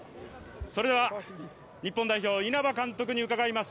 日本代表、稲葉監督に伺います。